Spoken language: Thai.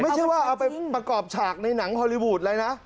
ไม่ใช่ว่าเอาไปประกอบฉากในหนังฮอลลี่วูดอะไรนะ